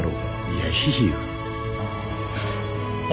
いやいいよ。